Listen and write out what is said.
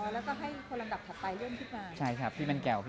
แล้วก็ให้คนละครับถัดไปเลื่อนขึ้นมา